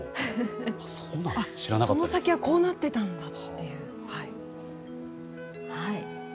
その先はこうなってたんだっていう。